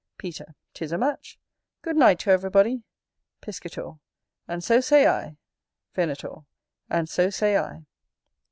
Peter. 'Tis a match. Good night to everybody. Piscator. And so say I. Venator. And so say I.